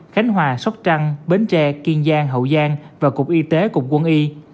khánh hòa sóc trăng bến tre kiên giang hậu giang và cục y tế cục quân y